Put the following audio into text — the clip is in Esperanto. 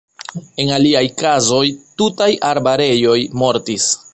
En aliaj kazoj tutaj arbareroj mortis.